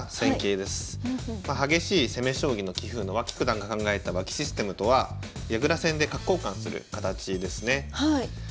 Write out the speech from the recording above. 激しい攻め将棋の棋風の脇九段が考えた脇システムとは矢倉戦で角交換する形ですね。